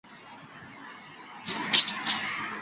生母是岛津久丙之女阿幸。